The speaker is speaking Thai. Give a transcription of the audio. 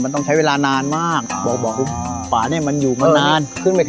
มันต้องใช้เวลานานมากบอกบอกป่าเนี่ยมันอยู่มานานขึ้นไป